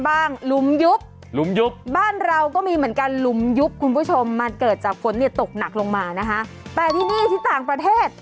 สินค้าเพื่อการศึกษาจากร้านทงฟ้าประชารัฐ